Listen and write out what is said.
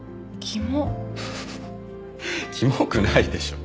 キモくないでしょ。